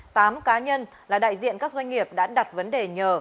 tám cá nhân là đại diện các doanh nghiệp đã đặt vấn đề nhờ